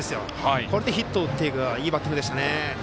これでヒットを打っていくいいバッティングでしたね。